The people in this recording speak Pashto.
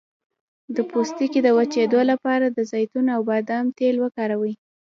د پوستکي د وچیدو لپاره د زیتون او بادام تېل وکاروئ